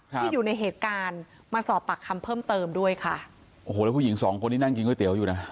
ที่อยู่ในเหตุการณ์มาสอบปากคำเพิ่มเติมด้วยค่ะโอ้โหแล้วผู้หญิงสองคนที่นั่งกินก๋วยเตี๋ยวอยู่น่ะ